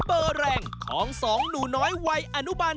เบอร์แรงของสองหนูน้อยวัยอนุบัน